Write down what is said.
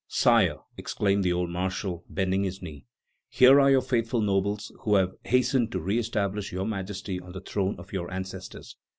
"Sire," exclaimed the old marshal, bending his knee, "here are your faithful nobles who have hastened to re establish Your Majesty on the throne of your ancestors."